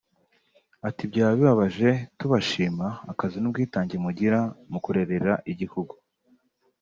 Ati “Byaba bibabaje tubashima akazi n’ubwitange mugira mu kurerera igihugu